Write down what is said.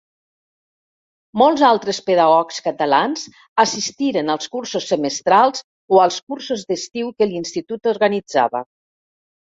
Molts altres pedagogs catalans assistiren als cursos semestrals o als cursos d'estiu que l'Institut organitzava.